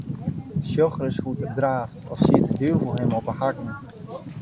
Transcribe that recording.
Sjoch ris hoe't er draaft, as siet de duvel him op 'e hakken.